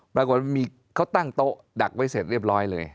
ปรากฏว่ามีเขาตั้งโต๊ะดักไว้เสร็จเรียบร้อยเลย